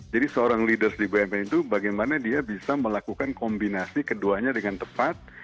jadi seorang leaders di bumn itu bagaimana dia bisa melakukan kombinasi keduanya dengan tepat